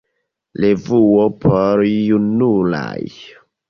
Revuo por junularo.